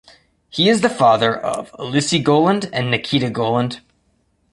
He is the father of Elisey Goland and Nikita Goland.